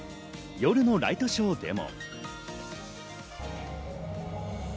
夜のライトショーでも。